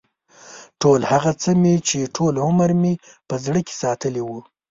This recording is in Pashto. ټول هغه څه مې چې ټول عمر مې په زړه کې ساتلي و.